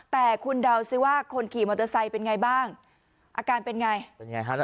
แต่คุณเดาซิว่าคนขี่มอเตอร์ไซค์เป็นไงบ้างอาการเป็นไงเป็นไงฮะ